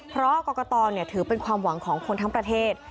เพราะกรกตถือเป็นความหวังของคนทั้งประเทศ